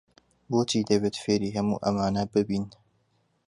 بۆچی دەبێت فێری هەموو ئەمانە ببین؟